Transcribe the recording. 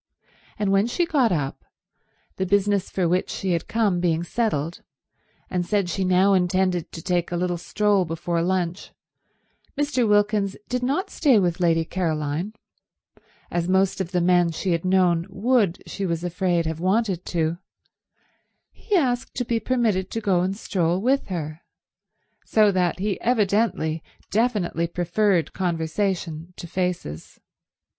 And when she got up, the business for which she had come being settled, and said she now intended to take a little stroll before lunch, Mr. Wilkins did not stay with Lady Caroline, as most of the men she had known would, she was afraid, have wanted to—he asked to be permitted to go and stroll with her; so that he evidently definitely preferred conversation to faces.